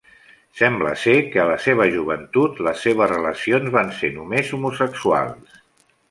Sembla ser que a la seva joventut les seves relacions van ser només homosexuals.